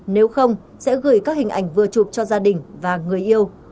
nếu không sẽ gửi các hình ảnh vừa chụp cho gia đình và người yêu